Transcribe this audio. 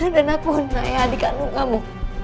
dan aku naya adik kandung kamu